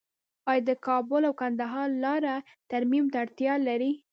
آیا د کابل او کندهار لاره ترمیم ته اړتیا لري؟